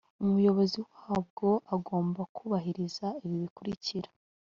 umuyobozi wabwo agomba kubahiriza ibi bikurikira: